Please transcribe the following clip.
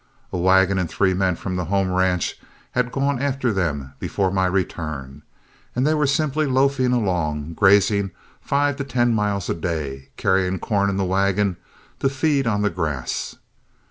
A wagon and three men from the home ranch had gone after them before my return, and they were simply loafing along, grazing five to ten miles a day, carrying corn in the wagon to feed on the grass.